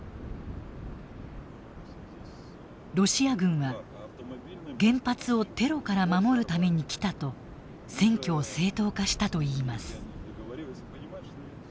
ロシア軍は「原発をテロから守るために来た」と占拠を正当化したといいます。